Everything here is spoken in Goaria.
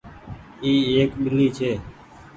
اي ايڪ ٻلي ڇي۔